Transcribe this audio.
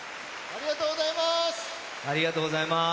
ありがとうございます。